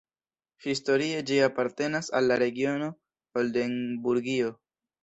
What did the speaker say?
Historie ĝi apartenas al la regiono Oldenburgio.